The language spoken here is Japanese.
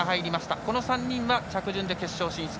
この３人は着順で決勝進出。